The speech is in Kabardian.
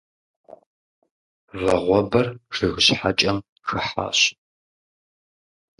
Вагъуэбэр жыг щхьэкӀэм хыхьащ.